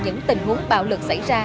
những tình huống bạo lực xảy ra